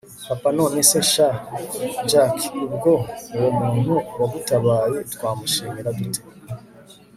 papa nonese sha jack, ubwo uwo muntu wagutabaye twamushimira dute!